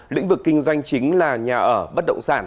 lĩnh vực kinh doanh chính là nhà ở